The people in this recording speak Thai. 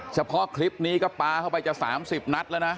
เฉพาะคลิปนี้ก็ปลาเข้าไปจะ๓๐นัดแล้วนะ